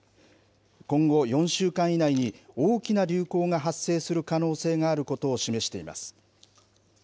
今後４週間以内に、大きな流行が発生する可能性があることを示しています。